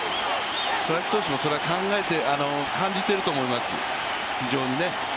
佐々木投手も感じていると思います、非常に。